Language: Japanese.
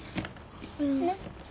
ねっ。